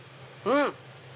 うん？